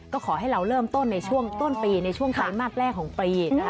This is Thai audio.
ก็ขอให้เราเริ่มต้นในช่วงต้นปีในช่วงไตรมาสแรกของปีนะคะ